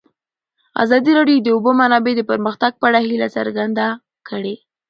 ازادي راډیو د د اوبو منابع د پرمختګ په اړه هیله څرګنده کړې.